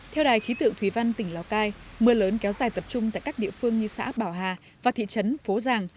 theo đài khí tượng thủy văn tỉnh lào cai mưa lớn kéo dài tập trung tại các địa phương như xã bảo hà và thị trấn phố ràng